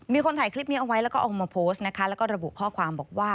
มีคนถ่ายคลิปนี้เอาไว้แล้วก็เอามาโพสต์นะคะแล้วก็ระบุข้อความบอกว่า